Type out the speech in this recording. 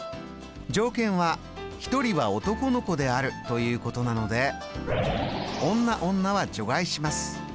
条件は１人は男の子であるということなので「女女」は除外します。